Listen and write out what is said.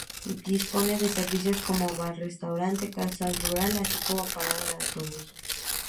Dispone de servicios como Bar-Restaurante, Casa Rural, así como parada de autobús.